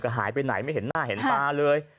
หายไปไหนไม่เห็นหน้าเห็นตาเลย